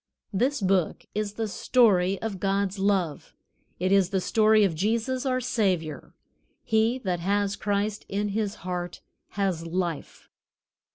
This Book is the story of God's love. It is the story of Jesus, our Savior. He that has Christ in his heart has life.